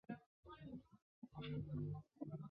干元元年改霸州。